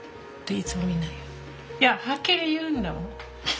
いやはっきり言うんだもん。